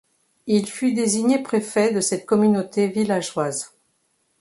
Il fut désigné préfet de cette communauté villageoise.